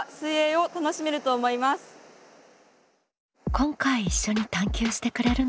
今回一緒に探究してくれるのは。